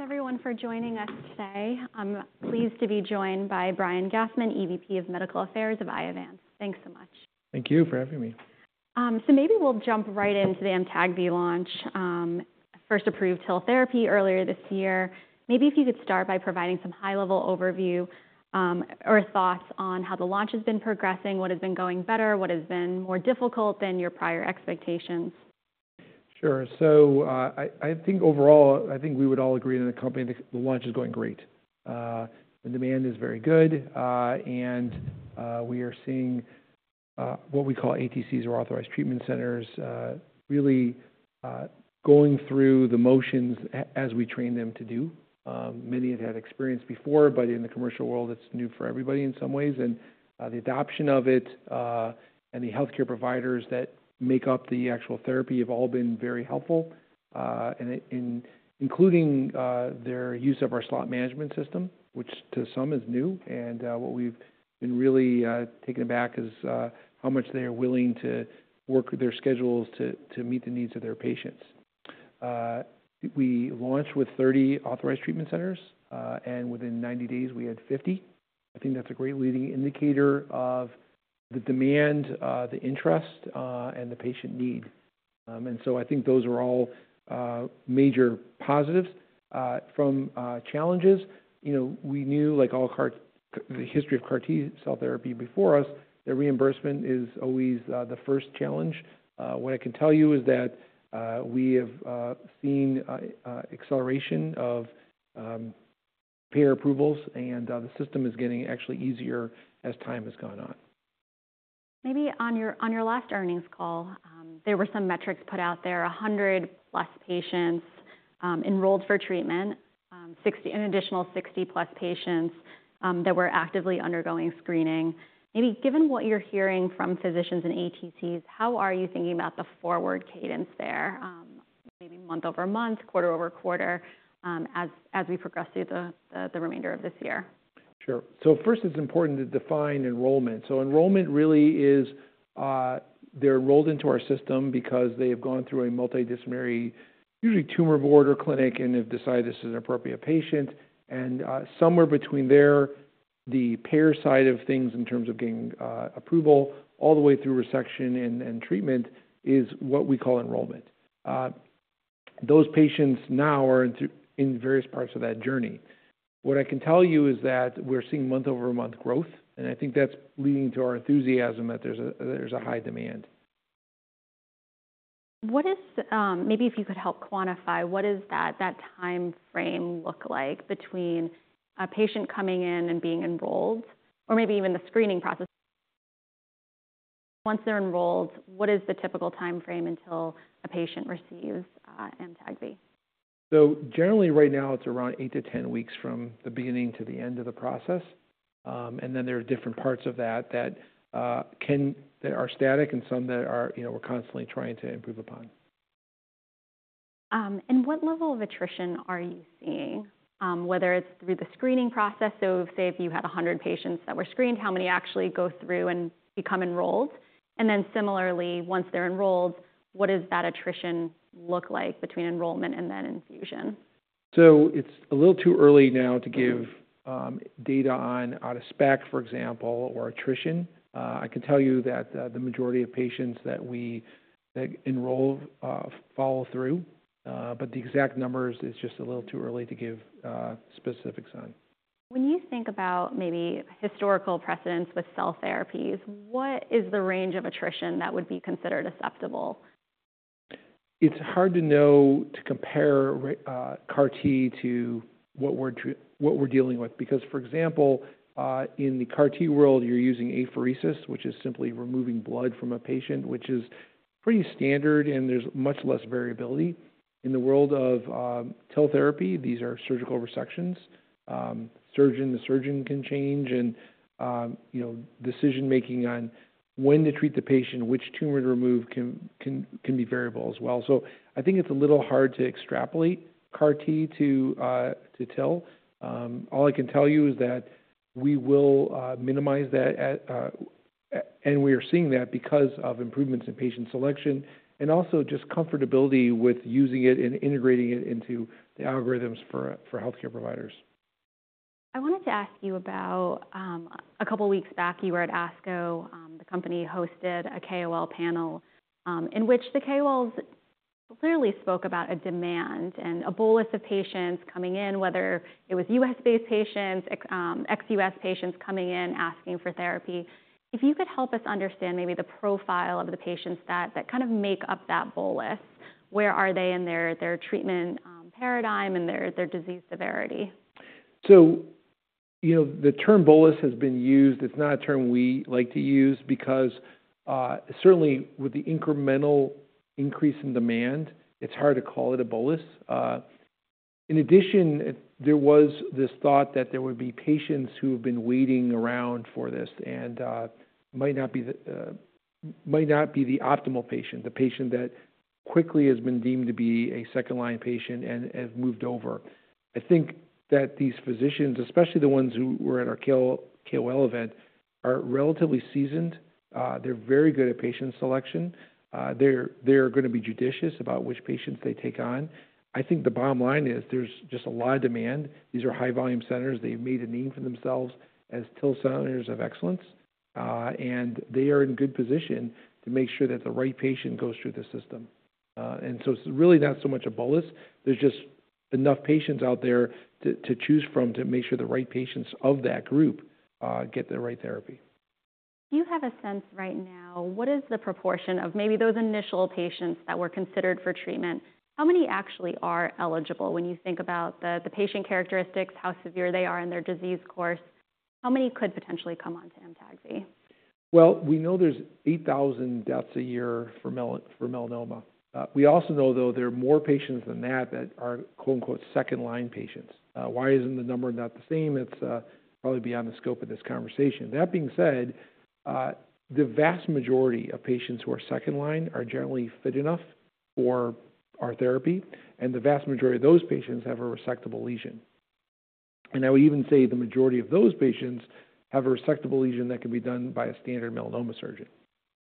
Thanks everyone for joining us today. I'm pleased to be joined by Brian Gastman, EVP of Medical Affairs of Iovance. Thanks so much. Thank you for having me. So maybe we'll jump right into the AMTAGVI launch, first approved TIL therapy earlier this year. Maybe if you could start by providing some high-level overview, or thoughts on how the launch has been progressing, what has been going better, what has been more difficult than your prior expectations? Sure. So, I think overall, I think we would all agree in the company, the launch is going great. The demand is very good, and we are seeing what we call ATCs or Authorized Treatment Centers, really going through the motions as we train them to do. Many have had experience before, but in the commercial world, it's new for everybody in some ways. And the adoption of it, and the healthcare providers that make up the actual therapy have all been very helpful, and including their use of our slot management system, which to some is new, and what we've been really taken aback is how much they are willing to work with their schedules to meet the needs of their patients. We launched with 30 Authorized Treatment Centers, and within 90 days, we had 50. I think that's a great leading indicator of the demand, the interest, and the patient need. So I think those are all major positives. From challenges, you know, we knew the history of CAR T-cell therapy before us, that reimbursement is always the first challenge. What I can tell you is that we have seen acceleration of payer approvals, and the system is getting actually easier as time has gone on. Maybe on your, on your last earnings call, there were some metrics put out there, 100+ patients enrolled for treatment, an additional 60+ patients that were actively undergoing screening. Maybe given what you're hearing from physicians and ATCs, how are you thinking about the forward cadence there, maybe month-over-month, quarter-over-quarter, as we progress through the remainder of this year? Sure. So first, it's important to define enrollment. So enrollment really is, they're enrolled into our system because they have gone through a multidisciplinary, usually tumor board or clinic and have decided this is an appropriate patient. And, somewhere between there, the payer side of things in terms of getting, approval, all the way through resection and treatment is what we call enrollment. Those patients now are in various parts of that journey. What I can tell you is that we're seeing month-over-month growth, and I think that's leading to our enthusiasm that there's a high demand. What is, maybe if you could help quantify, what does that, that time frame look like between a patient coming in and being enrolled, or maybe even the screening process? Once they're enrolled, what is the typical timeframe until a patient receives, AMTAGVI? Generally, right now, it's around 8-10 weeks from the beginning to the end of the process. Then there are different parts of that that are static and some that are, you know, we're constantly trying to improve upon. And what level of attrition are you seeing? Whether it's through the screening process, so say if you had 100 patients that were screened, how many actually go through and become enrolled? And then similarly, once they're enrolled, what does that attrition look like between enrollment and then infusion? So it's a little too early now to give data on out of spec, for example, or attrition. I can tell you that the majority of patients that we enroll follow through, but the exact numbers, it's just a little too early to give specifics on. When you think about maybe historical precedents with cell therapies, what is the range of attrition that would be considered acceptable? It's hard to know to compare CAR T to what we're dealing with, because, for example, in the CAR T world, you're using apheresis, which is simply removing blood from a patient, which is pretty standard, and there's much less variability. In the world of cell therapy, these are surgical resections. The surgeon can change and, you know, decision-making on when to treat the patient, which tumor to remove, can be variable as well. So I think it's a little hard to extrapolate CAR T to TIL. All I can tell you is that we will minimize that and we are seeing that because of improvements in patient selection and also just comfortability with using it and integrating it into the algorithms for healthcare providers. I wanted to ask you about.. A couple of weeks back, you were at ASCO. The company hosted a KOL panel, in which the KOLs clearly spoke about a demand and a bolus of patients coming in, whether it was U.S.-based patients, ex-U.S. patients coming in asking for therapy. If you could help us understand maybe the profile of the patients that kind of make up that bolus, where are they in their treatment paradigm and their disease severity? So, you know, the term bolus has been used. It's not a term we like to use because, certainly with the incremental increase in demand, it's hard to call it a bolus. In addition, there was this thought that there would be patients who have been waiting around for this and, might not be the optimal patient, the patient that quickly has been deemed to be a second-line patient and, and moved over. I think that these physicians, especially the ones who were at our KOL event, are relatively seasoned. They're very good at patient selection. They're gonna be judicious about which patients they take on. I think the bottom line is, there's just a lot of demand. These are high-volume centers. They've made a name for themselves as TIL centers of excellence, and they are in good position to make sure that the right patient goes through the system. So it's really not so much a bolus. There's just enough patients out there to choose from to make sure the right patients of that group get the right therapy. Do you have a sense right now, what is the proportion of maybe those initial patients that were considered for treatment? How many actually are eligible when you think about the, the patient characteristics, how severe they are in their disease course, how many could potentially come on to AMTAGVI? Well, we know there's 8,000 deaths a year for melanoma. We also know, though, there are more patients than that, that are, quote, unquote, "second-line patients." Why isn't the number not the same? It's probably beyond the scope of this conversation. That being said, the vast majority of patients who are second line are generally fit enough for our therapy, and the vast majority of those patients have a resectable lesion. And I would even say the majority of those patients have a resectable lesion that can be done by a standard melanoma surgeon.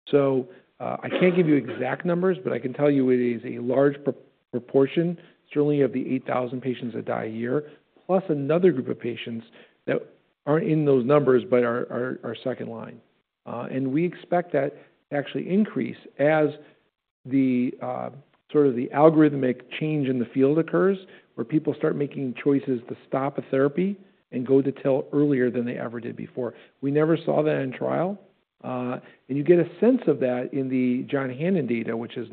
So, I can't give you exact numbers, but I can tell you it is a large proportion, certainly of the 8,000 patients that die a year, plus another group of patients that aren't in those numbers but are second line. And we expect that to actually increase as the sort of the algorithmic change in the field occurs, where people start making choices to stop a therapy and go to TIL earlier than they ever did before. We never saw that in trial. And you get a sense of that in the John Haanen data, it's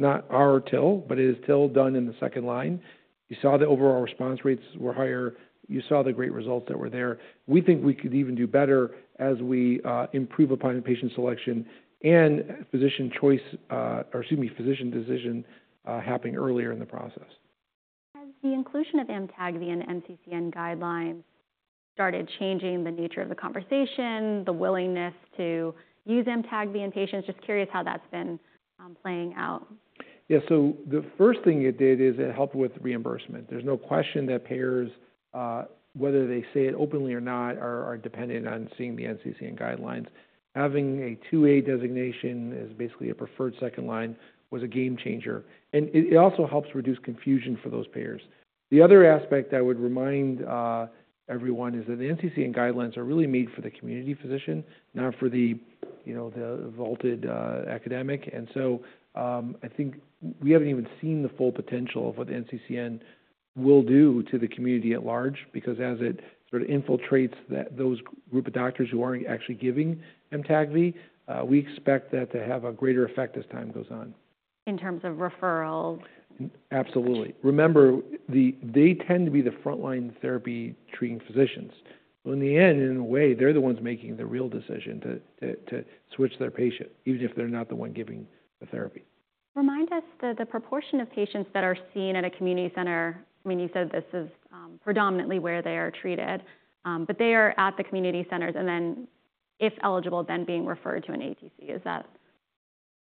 not our TIL, but it is TIL done in the second line. You saw the overall response rates were higher. You saw the great results that were there. We think we could even do better as we improve upon the patient selection and physician choice, or excuse me, physician decision, happening earlier in the process. Has the inclusion of AMTAGVI in NCCN guidelines started changing the nature of the conversation, the willingness to use AMTAGVI in patients? Just curious how that's been, playing out. Yeah. So the first thing it did is it helped with reimbursement. There's no question that payers, whether they say it openly or not, are dependent on seeing the NCCN guidelines. Having a AA designation as basically a preferred second line was a game changer, and it also helps reduce confusion for those payers. The other aspect I would remind everyone is that the NCCN guidelines are really made for the community physician, not for the, you know, the vaunted academic. And so, I think we haven't even seen the full potential of what the NCCN will do to the community at large, because as it sort of infiltrates those group of doctors who aren't actually giving AMTAGVI, we expect that to have a greater effect as time goes on. In terms of referrals? Absolutely. Remember, they tend to be the frontline therapy-treating physicians. So in the end, in a way, they're the ones making the real decision to switch their patient, even if they're not the one giving the therapy. Remind us the proportion of patients that are seen at a community center. I mean, you said this is predominantly where they are treated, but they are at the community centers and then, if eligible, then being referred to an ATC. Is that?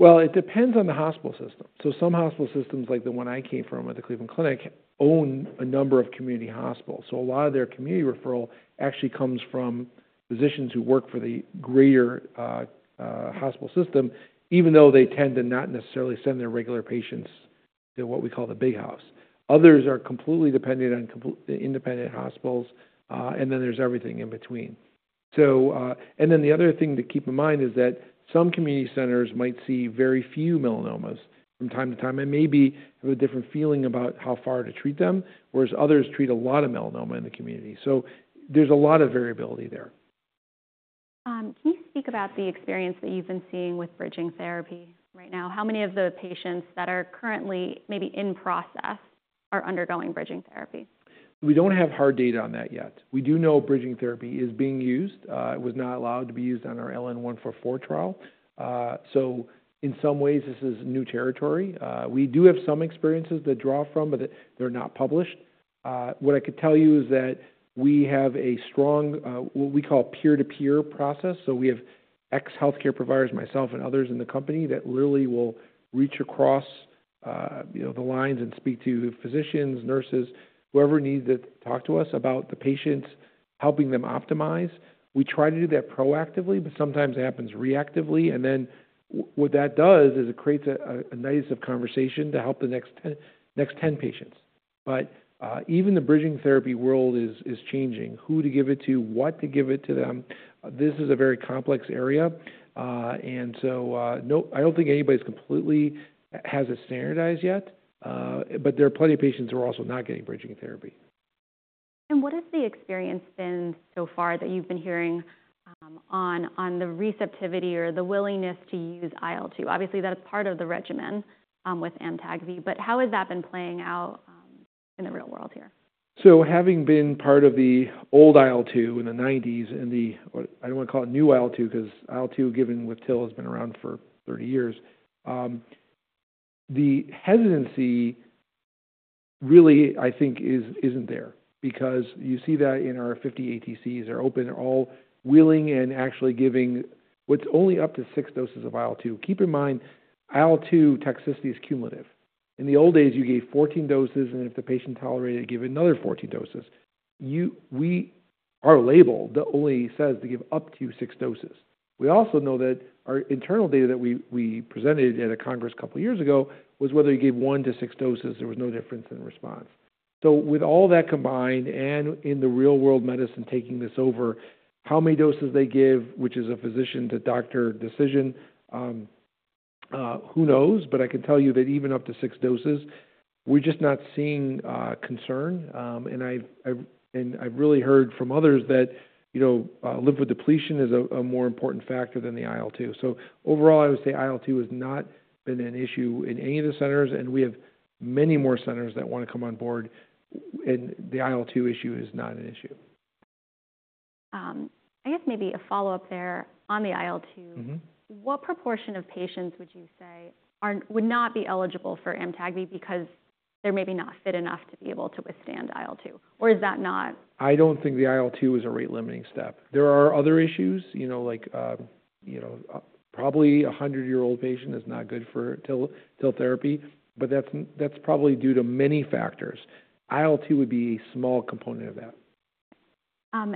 Well, it depends on the hospital system. So some hospital systems, like the one I came from at the Cleveland Clinic, own a number of community hospitals, so a lot of their community referral actually comes from physicians who work for the greater hospital system, even though they tend to not necessarily send their regular patients to what we call the big house. Others are completely dependent on independent hospitals, and then there's everything in between. So, and then the other thing to keep in mind is that some community centers might see very few melanomas from time to time and maybe have a different feeling about how far to treat them, whereas others treat a lot of melanoma in the community. So there's a lot of variability there. Can you speak about the experience that you've been seeing with bridging therapy right now? How many of the patients that are currently maybe in process are undergoing bridging therapy? We don't have hard data on that yet. We do know bridging therapy is being used. It was not allowed to be used on our LN-144 trial. So in some ways, this is new territory. We do have some experiences to draw from, but they're not published. What I could tell you is that we have a strong what we call peer-to-peer process. So we have ex-healthcare providers, myself and others in the company, that really will reach across, you know, the lines and speak to physicians, nurses, whoever needs to talk to us about the patients, helping them optimize. We try to do that proactively, but sometimes it happens reactively. And then what that does is it creates a nice conversation to help the next 10, next 10 patients. But, even the bridging therapy world is changing. Who to give it to, what to give it to them. This is a very complex area, and so, nope, I don't think anybody's completely has it standardized yet, but there are plenty of patients who are also not getting bridging therapy. What has the experience been so far that you've been hearing on the receptivity or the willingness to use IL-2? Obviously, that is part of the regimen with AMTAGVI, but how has that been playing out in the real world here? So having been part of the old IL-2 in the 1990s and the, I don't want to call it new IL-2, because IL-2, given with TIL, has been around for 30 years. The hesitancy really, I think, isn't there because you see that in our 50 ATCs, they're open, they're all willing and actually giving what's only up to six doses of IL-2. Keep in mind, IL-2 toxicity is cumulative. In the old days, you gave 14 doses, and if the patient tolerated, give another 14 doses. We, our label, that only says to give up to six doses. We also know that our internal data that we presented at a congress a couple years ago, was whether you gave 1-6 doses, there was no difference in response. So with all that combined, and in the real-world medicine, taking this over, how many doses they give, which is a physician to doctor decision, who knows? But I can tell you that even up to six doses, we're just not seeing concern. And I've really heard from others that, you know, lymphodepletion is a more important factor than the IL-2. So overall, I would say IL-2 has not been an issue in any of the centers, and we have many more centers that want to come on board, and the IL-2 issue is not an issue. I guess maybe a follow-up there on the IL-2. Mm-hmm. What proportion of patients would you say would not be eligible for AMTAGVI because they're maybe not fit enough to be able to withstand IL-2? Or is that not. I don't think the IL-2 is a rate-limiting step. There are other issues, you know, like, you know, probably a 100-year-old patient is not good for TIL therapy, but that's probably due to many factors. IL-2 would be a small component of that.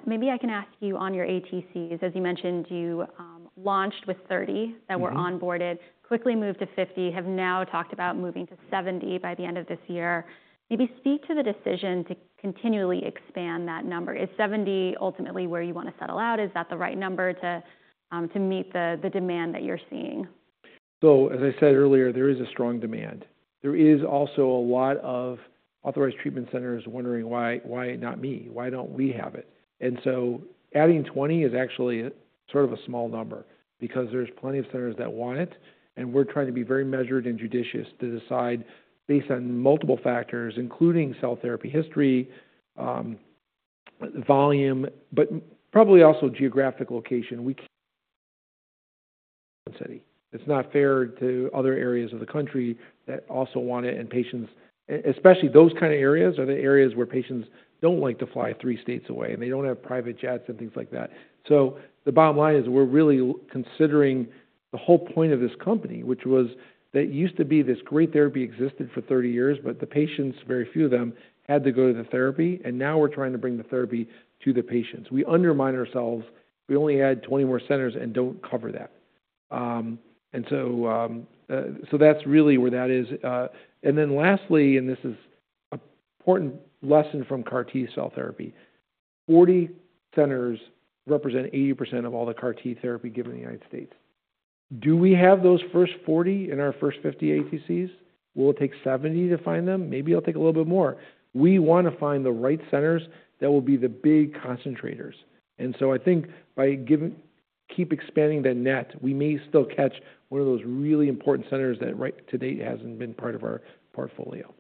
Maybe I can ask you on your ATCs, as you mentioned, you launched with 30. Mm-hmm. That were onboarded, quickly moved to 50, have now talked about moving to 70 by the end of this year. Maybe speak to the decision to continually expand that number. Is 70 ultimately where you wanna settle out? Is that the right number to meet the demand that you're seeing? So as I said earlier, there is a strong demand. There is also a lot of Authorized Treatment Centers wondering why, why not me? Why don't we have it? And so adding 20 is actually sort of a small number because there's plenty of centers that want it, and we're trying to be very measured and judicious to decide based on multiple factors, including cell therapy history, volume, but probably also geographic location. We can't. It's not fair to other areas of the country that also want it, and patients, especially those kind of areas, are the areas where patients don't like to fly three states away, and they don't have private jets and things like that. So the bottom line is, we're really considering the whole point of this company, which was that used to be this great therapy existed for 30 years, but the patients, very few of them, had to go to the therapy, and now we're trying to bring the therapy to the patients. We undermine ourselves. We only add 20 more centers and don't cover that. So that's really where that is. And then lastly, this is important lesson from CAR T-cell therapy, 40 centers represent 80% of all the CAR T therapy given in the United States. Do we have those first 40 in our first 50 ATCs? Will it take 70 to find them? Maybe it'll take a little bit more. We wanna find the right centers that will be the big concentrators. So I think by keep expanding that net, we may still catch one of those really important centers that, to date, hasn't been part of our portfolio.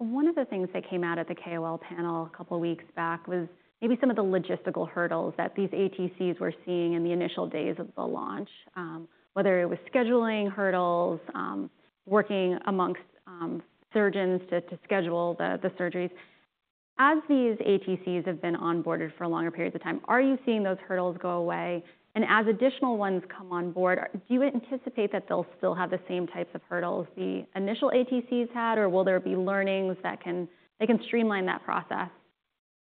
One of the things that came out at the KOL panel a couple of weeks back was maybe some of the logistical hurdles that these ATCs were seeing in the initial days of the launch. Whether it was scheduling hurdles, working among surgeons to schedule the surgeries. As these ATCs have been onboarded for longer periods of time, are you seeing those hurdles go away? And as additional ones come on board, do you anticipate that they'll still have the same types of hurdles the initial ATCs had, or will there be learnings that they can streamline that process?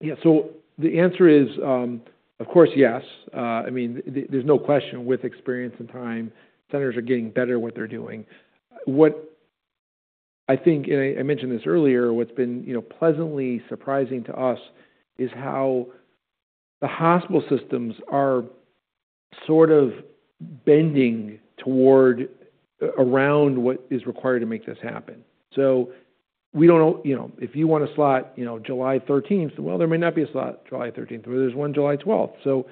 Yeah. So the answer is, of course, yes. I mean, there's no question with experience and time, centers are getting better at what they're doing. What I think, and I mentioned this earlier, what's been, you know, pleasantly surprising to us is how the hospital systems are sort of bending toward, around what is required to make this happen. So we don't know, you know, if you want a slot, you know, July 13th, well, there may not be a slot July 13th, but there's one July 12th. So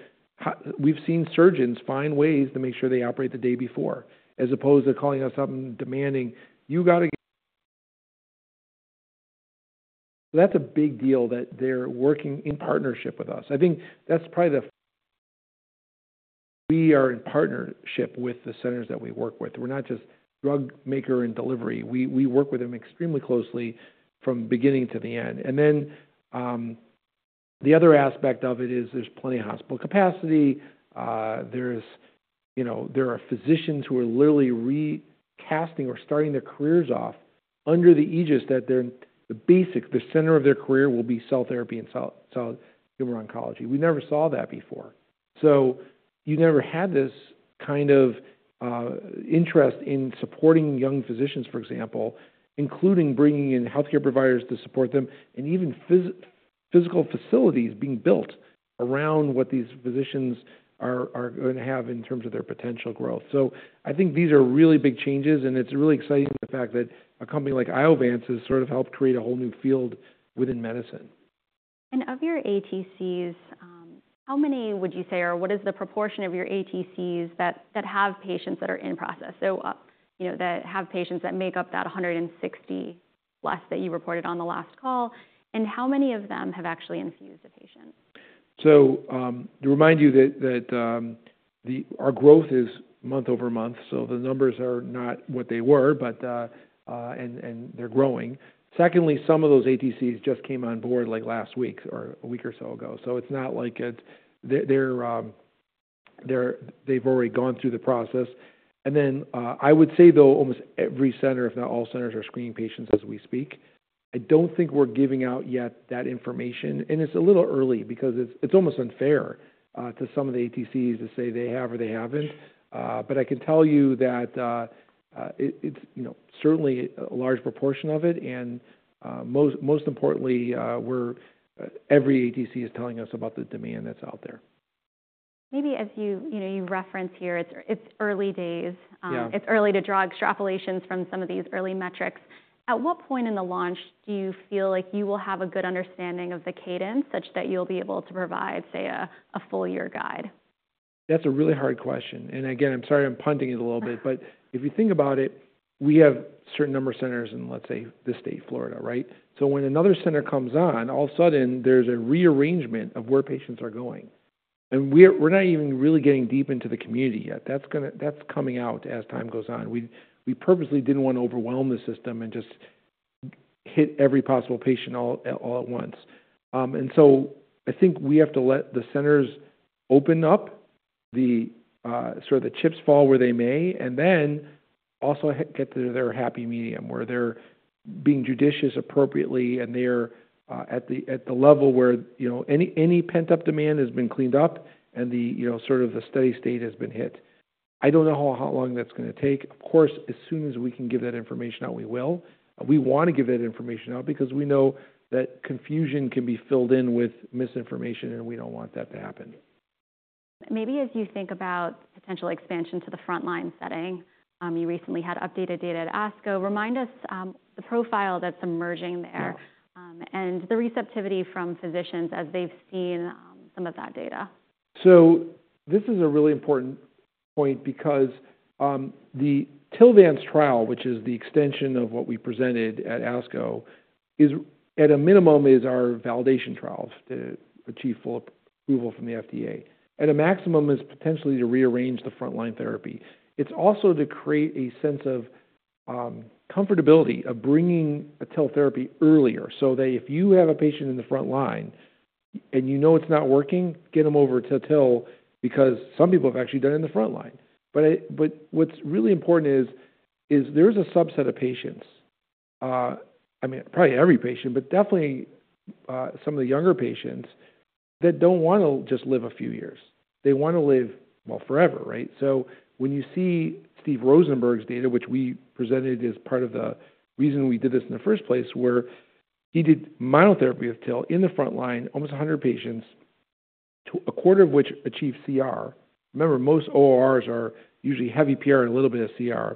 we've seen surgeons find ways to make sure they operate the day before, as opposed to calling us up and demanding, "You got to get..." That's a big deal that they're working in partnership with us. I think that's probably the... We are in partnership with the centers that we work with. We're not just drug maker and delivery. We work with them extremely closely from beginning to the end. And then, the other aspect of it is there's plenty of hospital capacity. There's, you know, there are physicians who are literally recasting or starting their careers off under the aegis that the basic, the center of their career will be cell therapy and cell tumor oncology. We never saw that before. So you never had this kind of interest in supporting young physicians, for example, including bringing in healthcare providers to support them, and even physical facilities being built around what these physicians are going to have in terms of their potential growth. So I think these are really big changes, and it's really exciting, the fact that a company like Iovance has sort of helped create a whole new field within medicine. Of your ATCs, how many would you say, or what is the proportion of your ATCs that have patients that are in process? So, you know, that have patients that make up that 160+ that you reported on the last call, and how many of them have actually infused a patient? So, to remind you that our growth is month-over-month, so the numbers are not what they were, but, and they're growing. Secondly, some of those ATCs just came on board like last week or a week or so ago. So it's not like it's. They've already gone through the process. And then, I would say, though, almost every center, if not all centers, are screening patients as we speak. I don't think we're giving out yet that information, and it's a little early because it's almost unfair to some of the ATCs to say they have or they haven't. But I can tell you that, it's, you know, certainly a large proportion of it, and, most importantly, every ATC is telling us about the demand that's out there. Maybe as you know, you referenced here, it's early days. Yeah. It's early to draw extrapolations from some of these early metrics. At what point in the launch do you feel like you will have a good understanding of the cadence such that you'll be able to provide, say, a full year guide? That's a really hard question. And again, I'm sorry I'm punting it a little bit. But if you think about it, we have a certain number of centers in, let's say, the state of Florida, right? So when another center comes on, all of a sudden, there's a rearrangement of where patients are going. And we're, we're not even really getting deep into the community yet. That's gonna. That's coming out as time goes on. We, we purposely didn't want to overwhelm the system and just hit every possible patient all, all at once. And so I think we have to let the centers open up, sort of the chips fall where they may, and then also get to their happy medium, where they're being judicious appropriately and they're at the level where, you know, any pent-up demand has been cleaned up and, you know, sort of the steady state has been hit. I don't know how long that's gonna take. Of course, as soon as we can give that information out, we will. We want to give that information out because we know that confusion can be filled in with misinformation, and we don't want that to happen. Maybe as you think about potential expansion to the frontline setting, you recently had updated data at ASCO. Remind us, the profile that's emerging there and the receptivity from physicians as they've seen, some of that data. So this is a really important point because, the TILVANCE trial, which is the extension of what we presented at ASCO, is at a minimum, is our validation trials to achieve full approval from the FDA. At a maximum, is potentially to rearrange the frontline therapy. It's also to create a sense of, comfortability of bringing a TIL therapy earlier, so that if you have a patient in the front line and you know it's not working, get them over to TIL because some people have actually done in the front line. But what's really important is, is there's a subset of patients, I mean, probably every patient, but definitely, some of the younger patients that don't want to just live a few years. They want to live, well, forever, right? So when you see Steve Rosenberg's data, which we presented as part of the reason we did this in the first place, where he did monotherapy of TIL in the front line, almost 100 patients, to a quarter of which achieved CR. Remember, most ORRs are usually heavy PR and a little bit of CR,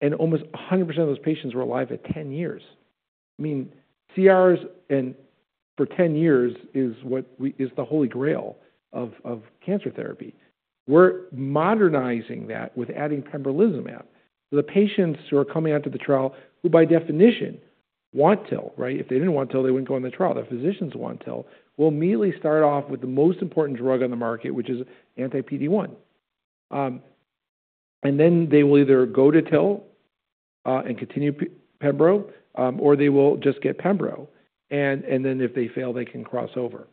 and almost 100% of those patients were alive at 10 years. I mean, CRs and for 10 years is what we, is the holy grail of, of cancer therapy. We're modernizing that with adding pembrolizumab. The patients who are coming out to the trial, who, by definition, want TIL, right? If they didn't want TIL, they wouldn't go on the trial. The physicians want TIL, will immediately start off with the most important drug on the market, which is anti-PD-1. And then they will either go to TIL, and continue pembro, or they will just get pembro, and then if they fail, they can cross over.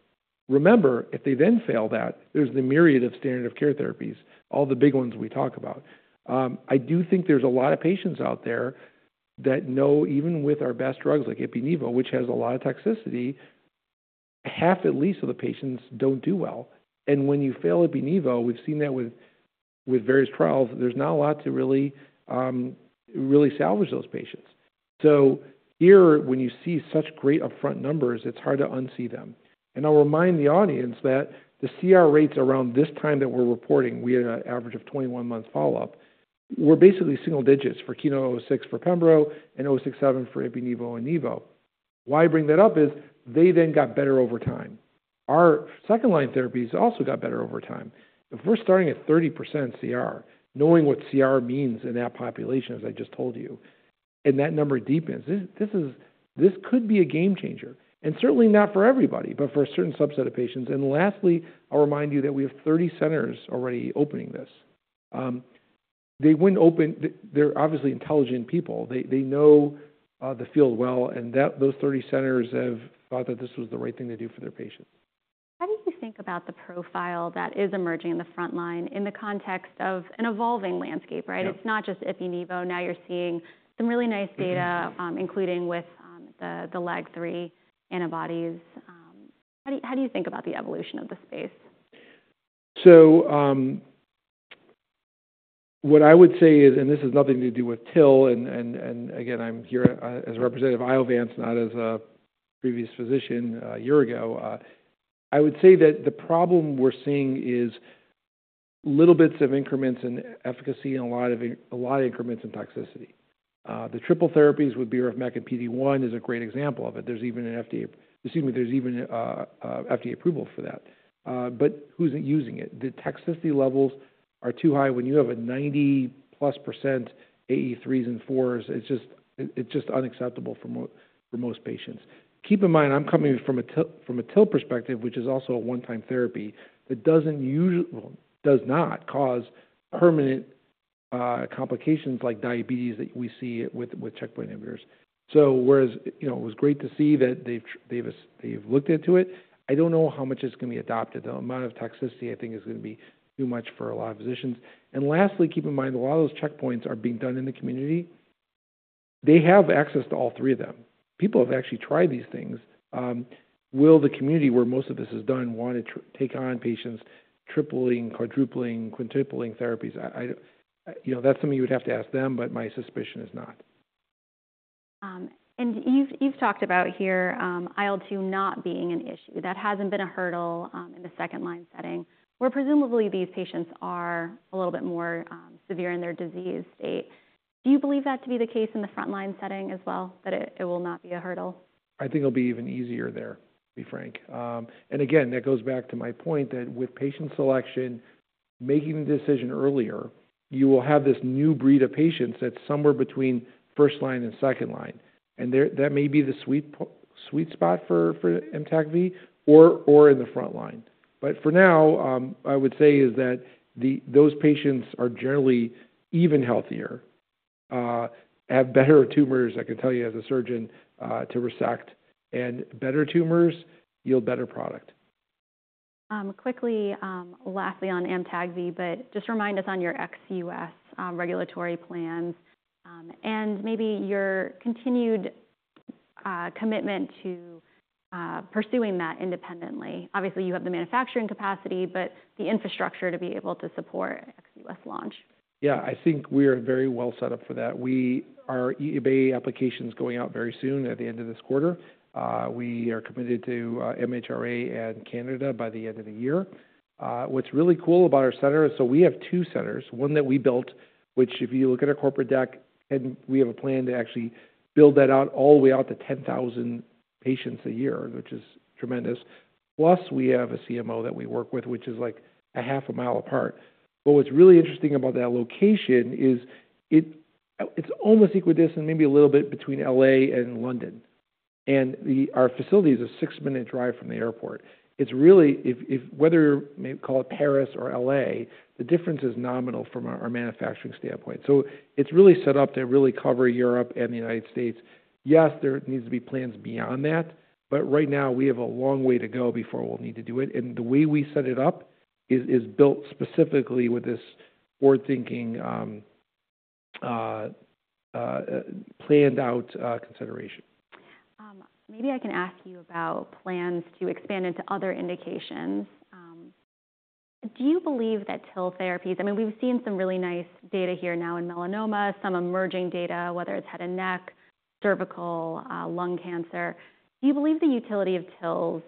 Remember, if they then fail that, there's the myriad of standard of care therapies, all the big ones we talk about. I do think there's a lot of patients out there that know, even with our best drugs, like ipi-nivo, which has a lot of toxicity, half at least of the patients don't do well. And when you fail ipi-nivo, we've seen that with various trials, there's not a lot to really really salvage those patients. So here, when you see such great upfront numbers, it's hard to unsee them. I'll remind the audience that the CR rates around this time that we're reporting, we had an average of 21 months follow-up, were basically single digits for KEYNOTE-006 for pembro and 067 for ipi-nivo and nivo. Why I bring that up is they then got better over time. Our second-line therapies also got better over time. If we're starting at 30% CR, knowing what CR means in that population, as I just told you, and that number deepens, this, this is, this could be a game changer, and certainly not for everybody, but for a certain subset of patients. Lastly, I'll remind you that we have 30 centers already opening this. They're obviously intelligent people. They know the field well, and that those 30 centers have thought that this was the right thing to do for their patients. How did you think about the profile that is emerging in the front line in the context of an evolving landscape, right? Yeah. It's not just ipi-nivo. Now you're seeing some really nice data. Mm-hmm. Including with the LAG-3 antibodies. How do you think about the evolution of the space? So, what I would say is, and this has nothing to do with TIL, and again, I'm here as a representative of Iovance, not as a previous physician a year ago. I would say that the problem we're seeing is little bits of increments in efficacy and a lot of increments in toxicity. The triple therapies with BRAF, MEK, and PD-1 is a great example of it. There's even an FDA approval for that. Excuse me, there's even an FDA approval for that. But who's using it? The toxicity levels are too high. When you have a 90%+ AE 3s and 4s, it's just unacceptable for most patients. Keep in mind, I'm coming from a TIL perspective, which is also a one-time therapy, that does not cause permanent complications like diabetes that we see with checkpoint inhibitors. So whereas, you know, it was great to see that they've looked into it, I don't know how much it's going to be adopted. The amount of toxicity, I think, is going to be too much for a lot of physicians. And lastly, keep in mind that a lot of those checkpoints are being done in the community. They have access to all three of them. People have actually tried these things. Will the community where most of this is done want to take on patients tripling, quadrupling, quintupling therapies? I, you know, that's something you would have to ask them, but my suspicion is not. You've talked about here, IL-2 not being an issue. That hasn't been a hurdle in the second-line setting, where presumably these patients are a little bit more severe in their disease state. Do you believe that to be the case in the frontline setting as well, that it will not be a hurdle? I think it'll be even easier there, to be frank. And again, that goes back to my point that with patient selection, making the decision earlier, you will have this new breed of patients that's somewhere between first line and second line, and there, that may be the sweet spot for AMTAGVI or in the front line. But for now, I would say is that those patients are generally even healthier, have better tumors, I can tell you as a surgeon, to resect, and better tumors yield better product. Quickly, lastly on AMTAGVI, but just remind us on your ex-U.S. regulatory plans, and maybe your continued commitment to pursuing that independently. Obviously, you have the manufacturing capacity, but the infrastructure to be able to support ex-U.S. launch. Yeah, I think we are very well set up for that. Our EMA application is going out very soon, at the end of this quarter. We are committed to MHRA and Canada by the end of the year. What's really cool about our center, so we have two centers, one that we built, which if you look at our corporate deck, and we have a plan to actually build that out all the way out to 10,000 patients a year, which is tremendous. Plus, we have a CMO that we work with, which is like a half a mile apart. But what's really interesting about that location is it's almost equidistant, maybe a little bit between L.A. and London, and our facility is a 6-minute drive from the airport. It's really. Whether, maybe call it Paris or LA, the difference is nominal from our manufacturing standpoint. So it's really set up to really cover Europe and the United States. Yes, there needs to be plans beyond that, but right now we have a long way to go before we'll need to do it, and the way we set it up is built specifically with this forward-thinking, planned out, consideration. Maybe I can ask you about plans to expand into other indications. Do you believe that TIL therapies, I mean, we've seen some really nice data here now in melanoma, some emerging data, whether it's head and neck, cervical, lung cancer. Do you believe the utility of TILs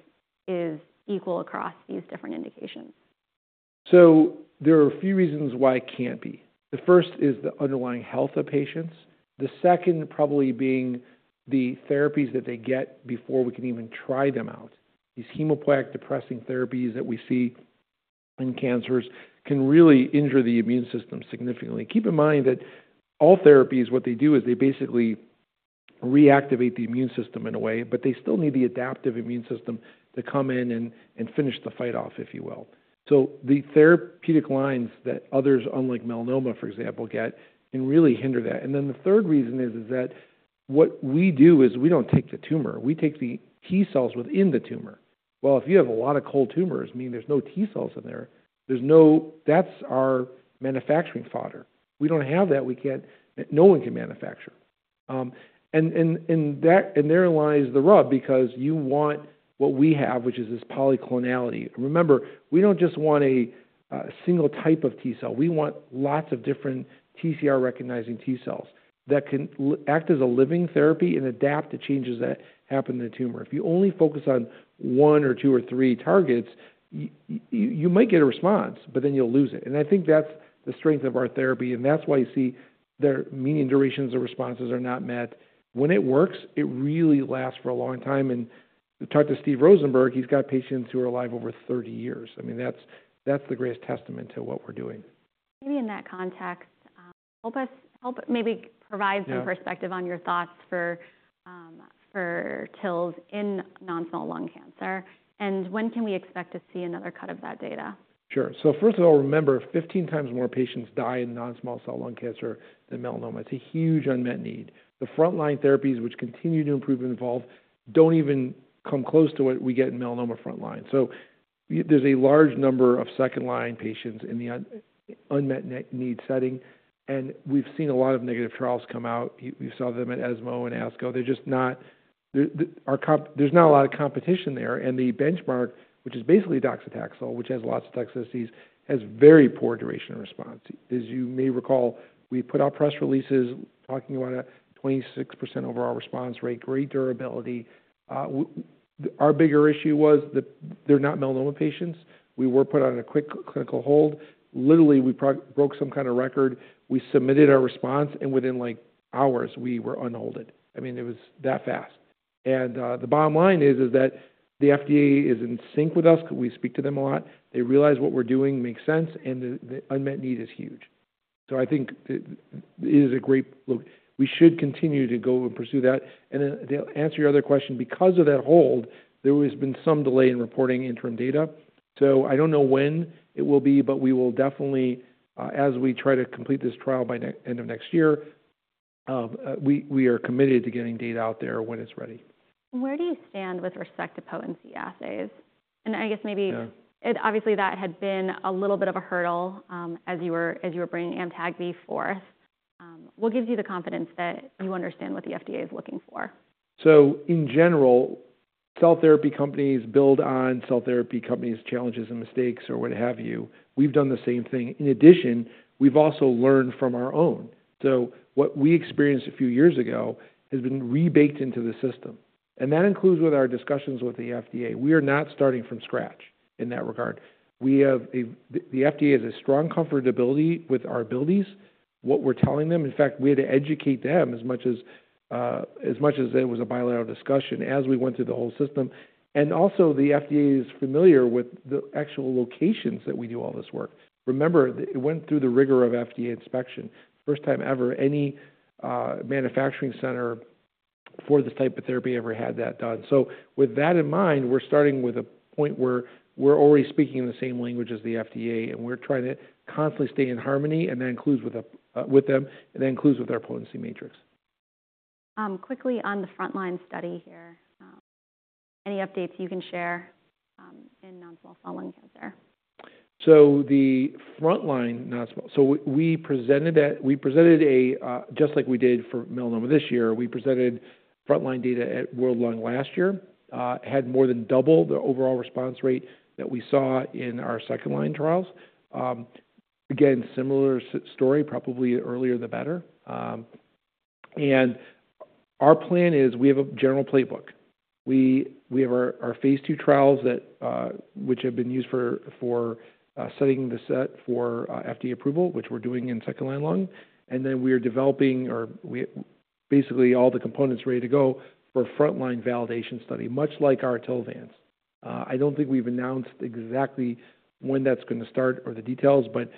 is equal across these different indications? So there are a few reasons why it can't be. The first is the underlying health of patients, the second probably being the therapies that they get before we can even try them out. These hematopoietic depressing therapies that we see in cancers can really injure the immune system significantly. Keep in mind that all therapies, what they do is they basically reactivate the immune system in a way, but they still need the adaptive immune system to come in and finish the fight off, if you will. So the therapeutic lines that others, unlike melanoma, for example, get, can really hinder that. And then the third reason is that what we do is we don't take the tumor, we take the T cells within the tumor. Well, if you have a lot of cold tumors, means there's no T cells in there, there's no. That's our manufacturing fodder. We don't have that, we can't. No one can manufacture. And therein lies the rub because you want what we have, which is this polyclonal. Remember, we don't just want a single type of T cell; we want lots of different TCR-recognizing T cells that can act as a living therapy and adapt to changes that happen in the tumor. If you only focus on one or two or three targets, you might get a response, but then you'll lose it. And I think that's the strength of our therapy, and that's why you see their median durations or responses are not met. When it works, it really lasts for a long time. You talk to Steve Rosenberg. He's got patients who are alive over 30 years. I mean, that's, that's the greatest testament to what we're doing. Maybe in that context, help us, maybe. Yeah. Provide some perspective on your thoughts for, for TILs in non-small cell lung cancer, and when can we expect to see another cut of that data? Sure. So first of all, remember, 15x more patients die in non-small cell lung cancer than melanoma. It's a huge unmet need. The frontline therapies, which continue to improve and evolve, don't even come close to what we get in melanoma frontline. So there's a large number of second-line patients in the unmet need setting, and we've seen a lot of negative trials come out. You saw them at ESMO and ASCO. They're just not. There's not a lot of competition there, and the benchmark, which is basically docetaxel, which has lots of toxicities, has very poor duration and response. As you may recall, we put out press releases talking about a 26% overall response rate, great durability. Our bigger issue was that they're not melanoma patients. We were put on a quick clinical hold. Literally, we probably broke some kind of record. We submitted our response, and within like hours, we were unholded. I mean, it was that fast. And, the bottom line is that the FDA is in sync with us because we speak to them a lot. They realize what we're doing makes sense, and the unmet need is huge. So I think it is a great look. We should continue to go and pursue that. And then to answer your other question, because of that hold, there has been some delay in reporting interim data. So I don't know when it will be, but we will definitely, as we try to complete this trial by end of next year, we are committed to getting data out there when it's ready. Where do you stand with respect to potency assays? And I guess maybe. Yeah. Obviously, that had been a little bit of a hurdle, as you were bringing AMTAGVI forth. What gives you the confidence that you understand what the FDA is looking for? So in general, cell therapy companies build on cell therapy companies' challenges and mistakes or what have you. We've done the same thing. In addition, we've also learned from our own. So what we experienced a few years ago has been rebaked into the system, and that includes with our discussions with the FDA. We are not starting from scratch in that regard. We have a. The FDA has a strong comfortability with our abilities, what we're telling them. In fact, we had to educate them as much as, as much as it was a bilateral discussion as we went through the whole system. And also, the FDA is familiar with the actual locations that we do all this work. Remember, it went through the rigor of FDA inspection. First time ever, any manufacturing center for this type of therapy ever had that done. So with that in mind, we're starting with a point where we're already speaking the same language as the FDA, and we're trying to constantly stay in harmony, and that includes with, with them, and that includes with our potency matrix. Quickly on the frontline study here, any updates you can share, in non-small cell lung cancer? So we presented that, just like we did for melanoma this year, we presented frontline data at World Lung last year. Had more than double the overall response rate that we saw in our second-line trials. Again, similar story, probably the earlier, the better. And our plan is, we have a general playbook. We have our phase II trials that have been used for setting the stage for FDA approval, which we're doing in second-line lung. And then we are developing or we. Basically, all the components are ready to go for a frontline validation study, much like our TILVANCE. I don't think we've announced exactly when that's gonna start or the details, but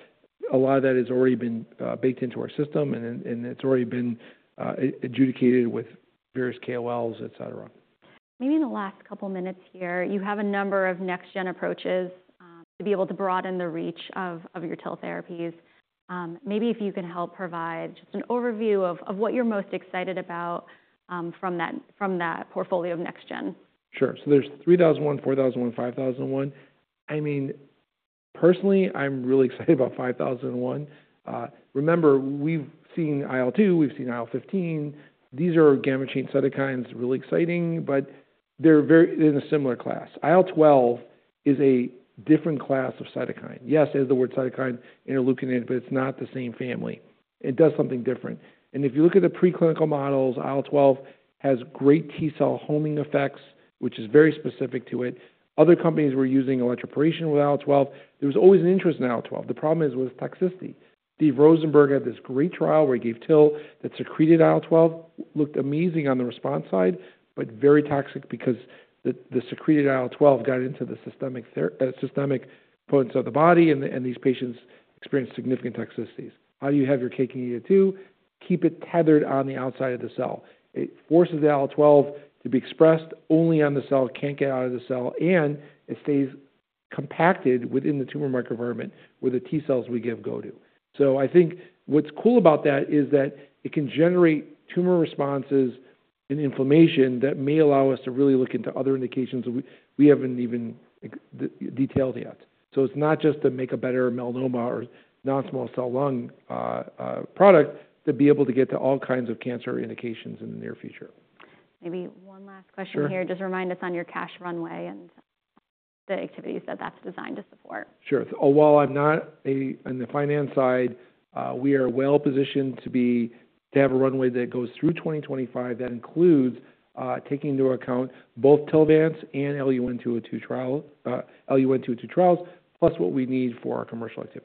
a lot of that has already been baked into our system, and then, and it's already been adjudicated with various KOLs, et cetera. Maybe in the last couple of minutes here, you have a number of next-gen approaches to be able to broaden the reach of your TIL therapies. Maybe if you can help provide just an overview of what you're most excited about from that portfolio of next-gen. Sure. So there's 3001, 4001, 5001. I mean, personally, I'm really excited about 5001. Remember, we've seen IL-2, we've seen IL-15. These are gamma chain cytokines, really exciting, but they're very in a similar class. IL-12 is a different class of cytokine. Yes, it has the word cytokine interleukin in it, but it's not the same family. It does something different. And if you look at the preclinical models, IL-12 has great T cell homing effects, which is very specific to it. Other companies were using electroporation with IL-12. There was always an interest in IL-12. The problem is with toxicity. Steve Rosenberg had this great trial where he gave TIL that secreted IL-12, looked amazing on the response side, but very toxic because the secreted IL-12 got into the systemic components of the body, and these patients experienced significant toxicities. How do you have your IL-12? Keep it tethered on the outside of the cell. It forces the IL-12 to be expressed only on the cell, can't get out of the cell, and it stays compacted within the tumor microenvironment, where the T cells we give go to. So I think what's cool about that is that it can generate tumor responses and inflammation that may allow us to really look into other indications that we haven't even detailed yet. So it's not just to make a better melanoma or non-small cell lung product, to be able to get to all kinds of cancer indications in the near future. Maybe one last question here. Sure. Just remind us on your cash runway and the activities that that's designed to support? Sure. So while I'm not on the finance side, we are well positioned to have a runway that goes through 2025. That includes taking into account both TILVANCE and LN-144 trials, plus what we need for our commercial activities.